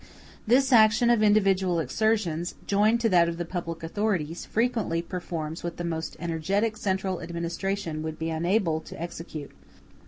This action of individual exertions, joined to that of the public authorities, frequently performs what the most energetic central administration would be unable to execute.